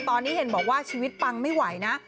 ตอนนี้เห็นบอกว่าชีวิตปังไม่ไหวนะ